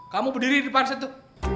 kamu berdiri di depan setu